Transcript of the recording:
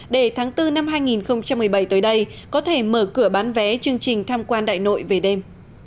để tháng bốn năm hai nghìn một mươi bảy tới đây có thể mở cửa bán vé chương trình tham quan đại nội về đêm